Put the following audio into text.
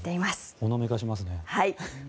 ほのめかしますね。